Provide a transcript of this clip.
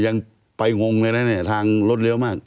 ยังไปงงเลยนะเนี่ยทางรถเลี้ยวมาก